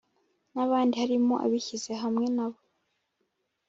n abandi harimo abishyize hamwe na we